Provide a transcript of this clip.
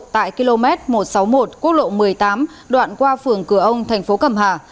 tại km một trăm sáu mươi một quốc lộ một mươi tám đoạn qua phường cửa ông thành phố cẩm hà